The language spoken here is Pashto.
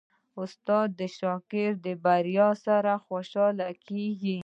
استاد د شاګرد د بریا سره خوشحالېږي.